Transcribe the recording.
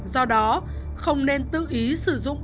do đó không nên tự ý sử dụng